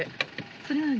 それは何？